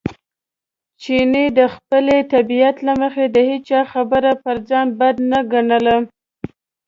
چیني د خپلې طبیعت له مخې د هېچا خبره پر ځان بد نه ګڼله.